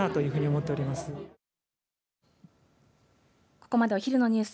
ここまでお昼のニュース